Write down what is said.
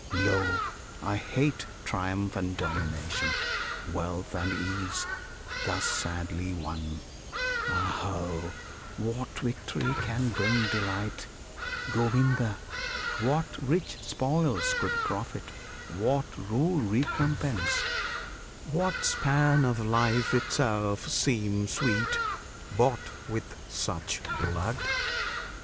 Lo, I hate Triumph and domination, wealth and ease, Thus sadly won! Aho! what victory Can bring delight, Govinda! what rich spoils Could profit; what rule recompense; what span Of life itself seem sweet, bought with such blood?